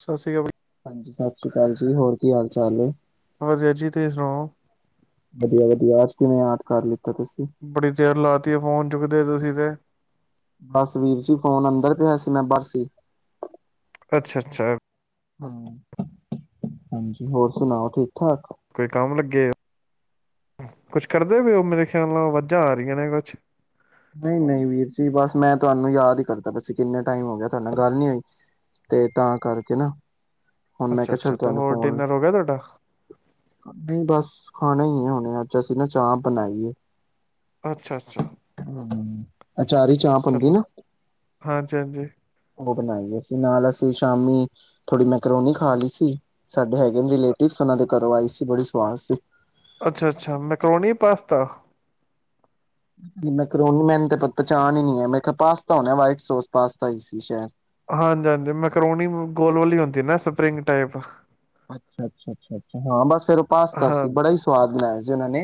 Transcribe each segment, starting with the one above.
ਸਤਿ ਸ਼੍ਰੀ ਅਕਾਲ ਹਾਂਜੀ ਸਭ। ਸਤਿ ਸ਼੍ਰੀ ਅਕਾਲ ਜੀ ਹੋਰ ਕੀ ਹਾਲ ਚਾਲ ਨੇ। ਵਧੀਆ ਜੀ ਤੁਸੀਂ ਸੁਣਾਓ ਵਧੀਆ ਵਧੀਆ ਅੱਜ ਕਿਵੇਂ ਯਾਦ ਕਰ ਲ ਬੜੀ ਦੇਰ ਲਾ ਤੀ ਫੋਨ ਚੁੱਕਦੇ ਤੁਸੀਂ ਤੇ ਬਸ ਵੀਰ ਜੀ ਫੋਨ ਅੰਦਰ ਪਿਆ ਸੀ ਮੈਂ ਬਾਹਰ ਸੀ। ਅੱਛਾ ਅੱਛਾ। ਹਮ ਹਾਂਜੀ ਹੋਰ ਸੁਣਾਓ ਠੀਕ ਠਾਕ ਕੋਈ ਕੰਮ ਲੱਗੇ ਓ ਕੁਛ ਕਰਦੇ ਪਏ ਉਹ ਮੇਰੇ ਖਿਆਲ ਨਾਲ ਵਾਜਾਂ ਆ ਰਹੀਆਂ ਨੇ ਕੁਛ ਨਹੀਂ ਨਹੀਂ, ਵੀਰ ਜੀ ਬਸ ਮੈਂ ਤੁਹਾਨੂੰ ਯਾਦ ਹੀ ਕਰਦਾ ਪਿਆ ਸੀ ਬਸ ਕਿੰਨੇ ਟਾਈਮ ਹੋ ਗਿਆ ਤੁਹਾਡੇ ਗੱਲ ਨੀ ਹੋਈ ਤੇ ਤਾਂ ਕਰਕੇ ਨਾ ਹੁਣ ਮੈਂ ਅੱਛਾ ਕਿਹਾ ਅੱਛਾ, ਚੱਲ ਤੇ ਤੁਹਾਨੂੰ ਹੋਰ ਫੋਨ ਡਿਨਰ ਹੋ ਗਿਆ ਤੁਹਾਡਾ। ਖਾਣੇ ਹੀ ਹੋਣੇ ਅੱਜ ਅਸੀਂ ਨਾ ਚਾਹ ਬਣਾਈਏ ਅੱਛਾ ਅੱਛਾ। ਹਮ, ਅਚਾਰੀ ਚਾਹ ਬਣਦੀ ਚਲੋ ਨਾ ਹਾਂਜੀ ਹਾਂਜੀ ਉਹ ਬਣਾਈ ਅਸੀਂ ਨਾਲ ਅਸੀਂ ਸ਼ਾਮੀ ਥੋੜੀ ਮੈਕਰੋਨੀ ਖਾ ਲਈ ਸੀ ਸਾਡੇ ਹੈਗੇ ਰਿਲੇਟਿਵ ਉਹਨਾਂ ਦੇ ਘਰੋਂ ਆਈ ਸੀ ਬੜੀ ਸਵਾਦ ਸੀ ਅੱਛਾ ਅੱਛਾ, ਮੈਂਕਰੋਣੀ ਪਾਸਤਾ ਮੈਂਕਰੋਣੀ ਮੈਨੂੰ ਤੇ ਪਹਿਚਾਣ ਹੀ ਨੀ ਹੈ ਮੈਂ ਪਾਸਤਾ ਹੋਣਾ ਵਾਈਟ ਸੋਸ ਪਾਸਤਾ ਹੀ ਸੀ ਸ਼ਾਇਦ ਹਾਂਜੀ ਹਾਂਜੀ, ਮੈਕਰੋਨੀ ਗੋਲ ਵਾਲੀ ਹੁੰਦੀ ਨਾ ਸਪਰਿੰਗ ਟਾਈਪ ਅੱਛਾ ਅੱਛਾ ਅੱਛਾ ਅੱਛਾ ਹਾਂ, ਬਸ ਫੇਰ ਉਹ ਪਾਸਤਾ ਹਾਂ ਸੀ ਬੜਾ ਹੀ ਸਵਾਦ ਬਨਾਇਆ ਸੀ। ਉਹਨਾਂ ਨੇ।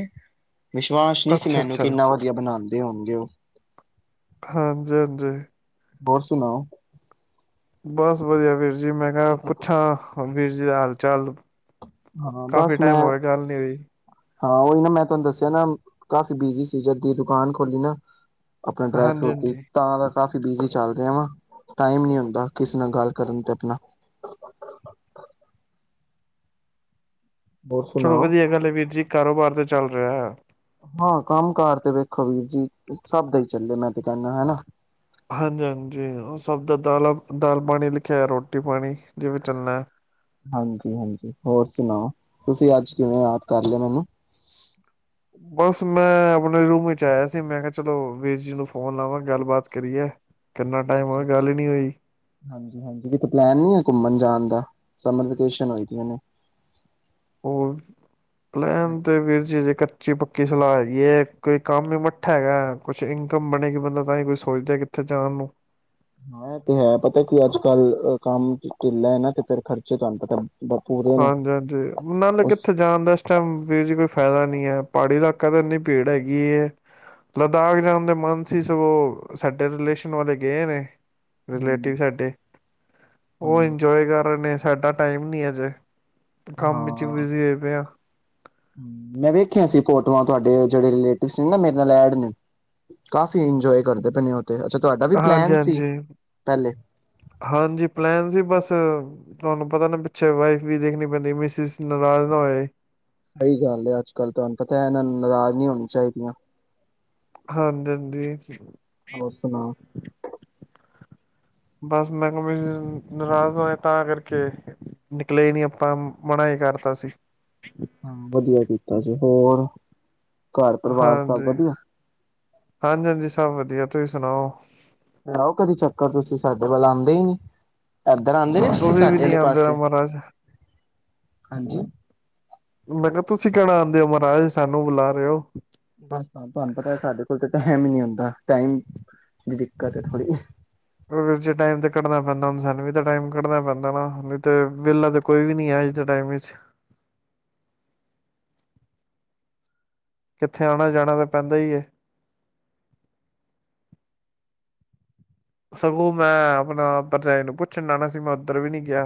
ਵਿਸ਼ਵਾਸ ਨਹੀਂ ਸੀ ਅੱਛਾ ਮੈਨੂੰ ਅੱਛਾ ਕਿ ਇੰਨਾ ਵਧੀਆ ਬਣਾਂਦੇ ਹੋਣਗੇ ਉਹ ਹਾਂਜੀ ਹਾਂਜੀ। ਹੋਰ ਸੁਣਾਓ। ਬਸ ਵਧੀਆ ਵੀਰ ਜੀ ਮੈਂ ਕਿਹਾ ਪੁੱਛਾਂ ਹੁਣ ਵੀਰ ਜੀ ਦਾ ਹਾਲ ਚਾਲ ਹਾਂ, ਬਸ ਕਾਫੀ ਟਾਈਮ ਮੈਂ ਹੋ ਗਿਆ ਗੱਲ ਨਹੀਂ ਹੋਈ ਹਾਂ ਉਹੀ ਨਾ ਮੈਂ ਤੁਹਾਨੂੰ ਦੱਸ [unintelligible] ਨਾ ਕਾਫੀ ਬਿਜੀ ਸੀ ਜਦ ਦੀ ਦੁਕਾਨ ਖੋਲੀ ਨਾ ਆਪਣੇ ਡਰਾਈ ਹਾਂਜੀ ਫਰੂਟ ਦੀ ਹਾਂਜੀ ਤਾਂ ਕਾਫੀ ਬਿਜੀ ਚੱਲ ਰਿਹਾ ਵਾਂ ਟਾਈਮ ਨੀ ਹੁੰਦਾ ਕਿਸੇ ਨਾਲ ਗੱਲ ਕਰਨ ਤੇ ਆਪਣਾ ਹੋਰ ਚਲੋ ਸੁਣਾਓ? ਵਧੀਆ ਗੱਲ ਹੈ ਵੀਰ ਜੀ ਕਾਰੋਬਾਰ ਤੇ ਚੱਲ ਰਿਹਾ ਹੈ ਖਬੀਰ ਜੀ ਸਭ ਦਾ ਹੀ ਚੱਲੇ ਮੈਂ ਤੇ ਕਹਿੰਦਾ ਹਨਾ ਹਾਂਜੀ ਹਾਂਜੀ, ਉਹ ਸਭ ਦਾ ਦਾਲਾਂ ਦਾਲ ਪਾਣੀ ਲਿਖਿਆ ਰੋਟੀ ਪਾਣੀ ਜਿਵੇਂ ਚੱਲਣਾ ਹੈ ਹਾਂਜੀ ਹਾਂਜੀ, ਹੋਰ ਸੁਣਾਓ ਤੁਸੀਂ ਅੱਜ ਕਿਵੇਂ ਯਾਦ ਕਰ ਲਿਆ ਮੈਨੂੰ ਬਸ ਮੈਂ ਆਪਣੇ ਰੂਮ ਵਿੱਚ ਆਇਆ ਸੀ ਮੈਂ ਕਿਹਾ ਚਲੋ ਵੀਰ ਜੀ ਨੂੰ ਕਿੰਨਾ ਟਾਈਮ ਅੱਛਾ ਹੋਇਆ ਅੱਛਾ, ਗੱਲ ਹੀ ਨਹੀਂ ਹੋਈ ਹਾਂਜੀ ਹਾਂਜੀ ਕਿਤੇ ਪਲੈਨ ਨੀ ਘੁੰਮਣ ਜਾਣ ਦਾ ਸਮਰ ਵੈਕੇਸ਼ਨ ਹੋਈ ਪਈਆਂ ਨੇ ਉਹ, ਲੈਣ ਦੇ ਵੀਰ ਜੀ ਜੇਕਰ ਕੱਚੀ-ਪੱਕੀ ਸਿਲਾਹ ਹੈਗੀਏ ਕੋਈ ਕੰਮ ਹੀ ਮੱਠਾ ਹੈਗਾ ਕੁਛ ਇਨਕਮ ਬਣੇਗੀ ਬੰਦਾ ਤਾਂ ਹੀ ਕੋਈ ਸੋਚਦਾ ਕਿੱਥੇ ਜਾਣ ਨੂੰ। ਐ ਤੇ ਹੈ ਪਤਾ ਕੀ ਅੱਜਕੱਲ ਕੰਮ ਢਿੱਲਾ ਨਾ ਤੇ ਫਰ ਖਰਚੇ ਤੁਹਾਨੂੰ ਪਤਾ ਪੂਰੇ ਨੇ ਹਾਂਜੀ ਹਾਂਜੀ ਨਾਲੇ ਉਸ ਕਿੱਥੇ ਜਾਣ ਦਾ ਇਸ ਟਾਈਮ ਵੀਰ ਜੀ ਕੋਈ ਫਾਇਦਾ ਨਹੀਂ ਹੈ ਪਹਾੜੀ ਇਲਾਕੇ ਕਦੇ ਇੰਨੀ ਭੀੜ ਹੈਗੀ ਏ। ਲੱਦਾਖ ਜਾਣ ਦਾ ਮਨ ਸੀ ਸਗੋਂ ਸਾਡੇ ਰਿਲੇਸ਼ਨ ਵਾਲੇ ਗਏ ਨੇ। ਹੂੰ ਰਿਲੇਟਿਵ ਸਾਡੇ। ਉਹ ਹਾਂ। ਇੰਜੋਏ ਕਰ ਰਹੇ ਨੇ। ਸਾਡਾ ਟਾਈਮ ਨਹੀਂ ਅਜੇ। ਕੰਮ 'ਚ ਬਿਜੀ ਹੋਏ ਪਏ ਆ। ਮੈਂ ਵੇਖਿਆ ਸੀ ਫੋਟੋਆਂ ਤੁਹਾਡੇ ਜਿਹੜੇ ਰਿਲੇਟਿਵ ਨੇ ਨਾ ਮੇਰੇ ਨਾਲ ਐਡ ਨੇ, ਕਾਫੀ ਇੰਜੋਏ ਕਰਦੇ ਪਏ ਨੇ ਉਹ। ਤੇ ਅੱਛਾ ਤੁਹਾਡਾ ਵੀ ਪਲੈਨ ਸੀ ਹਾਂਜੀ-ਹਾਂਜੀ, ਪਹਿਲੇ। ਹਾਂਜੀ ਪਲੈਨ ਸੀ ਬਸ ਤੁਹਾਨੂੰ ਪਤਾ ਨਾ ਪਿੱਛੇ ਵਾਈਫ ਵੀ ਦੇਖਣੀ ਪੈਂਦੀ ਮਿਸਿਸ ਨਾਰਾਜ਼ ਨਾ ਹੋਏ ਸਹੀ ਗੱਲ ਹੈ ਅੱਜਕੱਲ੍ਹ ਤੁਹਾਨੂੰ ਪਤਾ ਹੈ ਇਹਨਾਂ ਨਾਰਾਜ਼ ਨਹੀਂ ਹੋਣੀ ਚਾਹੀਦੀਆਂ। ਹਾਂਜੀ-ਹਾਂਜੀ। ਹੋਰ ਸੁਣਾਓ? ਬਸ ਮੈਂ ਕਿਹਾ ਮਿਸਿਜ਼ ਨਾਰਾਜ਼ ਹੋਏ ਤਾਂ ਕਰਕੇ, ਨਿਕਲੇ ਹੀ ਨਹੀਂ ਆਪਾਂ ਮਨਾ ਹੀ ਕਰਤਾ ਸੀ। ਹਾਂ ਵਧੀਆ ਕੀਤਾ ਸੀ ਹੋਰ। ਘਰ ਪਰਿਵਾਰ ਸਭ ਹਾਂਜੀ, ਵਧੀਆ ਹਾਂਜੀ-ਹਾਂਜੀ ਸਭ ਵਧੀਆ। ਤੁਸੀਂ ਸੁਣਾਓ? ਲਾਓ ਕਦੇ ਚੱਕਰ ਤੁਸੀਂ ਸਾਡੇ ਵੱਲ ਆਂਦੇ ਹੀ ਨਹੀਂ। ਆਹ ਤੁਸੀਂ ਵੀ ਨੀ ਆਂਦੇ ਨਾ ਮਹਾਰਾਜ। ਹਾਂਜੀ? ਮੈਂ ਕਿਹਾ ਤੁਸੀਂ ਕਿਹੜਾ ਆਂਦੇ ਹੋ ਮਹਾਰਾਜ ਸਾਨੂੰ ਬੁਲਾ ਰਹੇ ਹੋ। ਹਾਂ, ਟਾਈਮ, ਦੀ ਦਿੱਕਤ ਹੈ ਥੋੜ੍ਹੀ। ਵੀਰ ਜੀ ਟਾਈਮ ਤੇ ਕੱਢਣਾ ਪੈਂਦਾ ਹੂੰ ਸਾਨੂੰ ਵੀ ਤਾਂ ਟਾਈਮ ਕੱਢਣਾ ਪੈਂਦਾ ਵਾ ਨਈ ਤੇ ਵੇਲਾ ਤਾਂ ਕੋਈ ਵੀ ਨੀ ਹੈ ਅੱਜ ਦੇ ਟਾਈਮ ਵਿੱਚ। ਕਿੱਥੇ ਆਣਾ-ਜਾਣਾ ਤਾਂ ਪੈਂਦਾ ਈ ਏ। ਸਗੋਂ ਮੈਂ ਆਪਣਾ ਭਰਜਾਈ ਨੂੰ ਪੁੱਛਣ ਆਣਾ ਸੀ ਮੈਂ ਉਧਰ ਵੀ ਨਹੀਂ ਗਿਆ।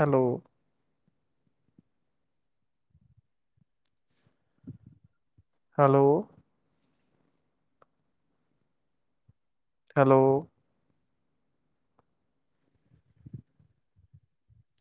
Hello hello hello.